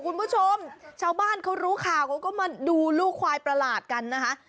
คุณผู้ชมชาวบ้านเขารู้ข่าวเขาก็มาดูลูกควายประหลาดกันนะคะ